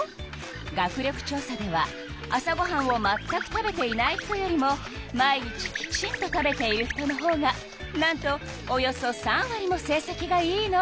学力調査では朝ごはんをまったく食べていない人よりも毎日きちんと食べている人のほうがなんとおよそ３わりも成績がいいの。